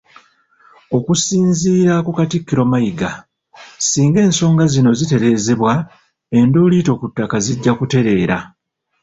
Okusinziira ku Katikkiro Mayiga, singa ensonga zino zitereezebwa, endooliito ku ttaka zijja kutereera.